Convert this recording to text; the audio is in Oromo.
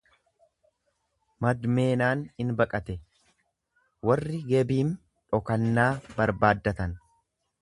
Madmeenaan in baqate, warri Gebiim dhokannaa barbaaddatan.